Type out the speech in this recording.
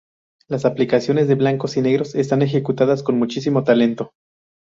Las aplicaciones de blancos y negros están ejecutadas con muchísimo talento.